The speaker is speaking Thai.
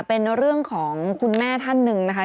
เป็นเรื่องของคุณแม่ท่านหนึ่งนะคะ